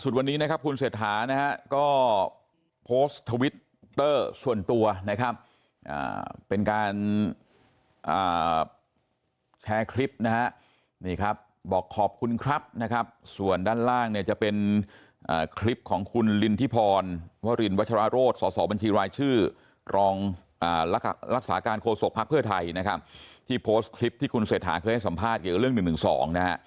ที่โพสต์คลิปที่คุณเศรษฐาเคยให้สัมภาษณ์เกี่ยวกับเรื่อง๑๑๒